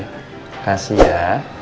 terima kasih ya